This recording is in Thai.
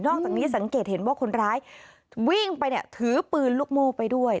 จากนี้สังเกตเห็นว่าคนร้ายวิ่งไปเนี่ยถือปืนลูกโม่ไปด้วย